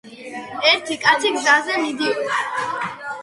ერთი კაცი გზაზე მიდიოდა.